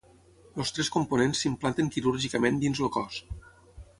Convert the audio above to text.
Els tres components s'implanten quirúrgicament dins el cos.